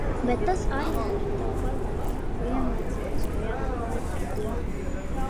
Bet tas arī dara tevi bagātāku-iemācīties ko jaunu katru dienu.